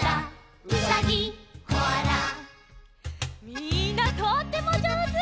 みんなとってもじょうず！